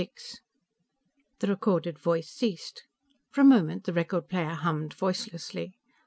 VI The recorded voice ceased; for a moment the record player hummed voicelessly.